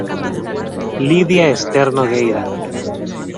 Lidia Esther Nogueira.